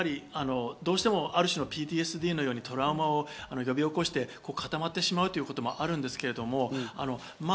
ある種のＰＴＳＤのようにトラウマを呼び起こして固まってしまうということもあるんですけど。